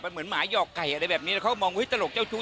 เหมือนหมาหยอกไก่อะไรแบบนี้เขามองว่าเฮ้ยตลกเจ้าชู้